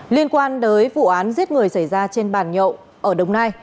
liên quan đến vụ án giết người xảy ra trên bàn nhậu ở đồng nai